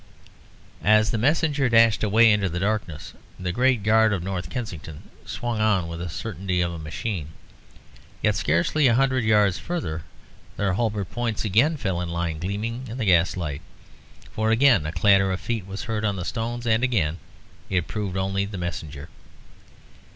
As the messenger dashed away into the darkness, the great guard of North Kensington swung on with the certainty of a machine. Yet scarcely a hundred yards further their halberd points again fell in line gleaming in the gaslight; for again a clatter of feet was heard on the stones, and again it proved to be only the messenger.